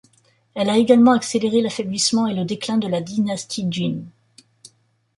Elle a également accéléré l'affaiblissement et le déclin de la dynastie Jin.